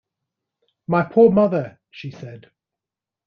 “My poor mother!” she said.